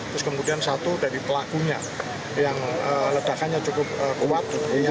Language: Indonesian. terus kemudian satu dari pelakunya yang ledakannya cukup kuat